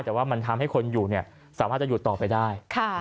แต่ว่ามันทำให้คนอยู่สามารถจะอยู่ต่อไปได้